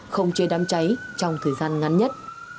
không chê đám cháy trong thời gian ngắn nhất